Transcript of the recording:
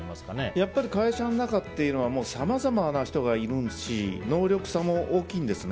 やっぱり会社の中っていうのはさまざまな人がいるし能力差も大きいんですね。